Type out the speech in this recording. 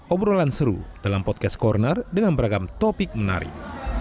obrolan seru dalam podcast corner dengan beragam topik menarik